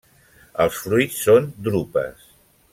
Els fruits són drupes.